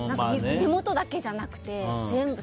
根本だけじゃなくて全部。